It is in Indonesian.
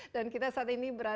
dan kita saat ini berhasil